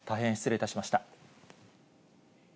大変失礼いたしました。